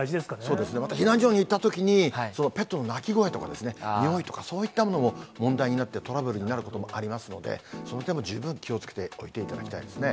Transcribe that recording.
そうですね、また避難所に行ったときに、ペットの鳴き声とか、においとかそういったものも問題になってトラブルになることもありますので、その点も十分気をつけておいていただきたいですね。